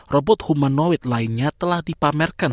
robot humanoid lainnya telah dipamerkan